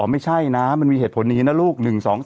อ๋อไม่ใช่นะมันมีเหตุผลนี้นะลูก